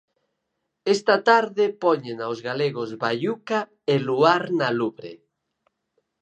Esta tarde póñena os galegos Baiuca e Luar na Lubre.